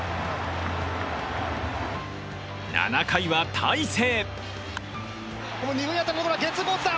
７回は大勢。